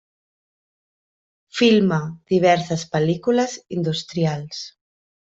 Filma diverses pel·lícules industrials.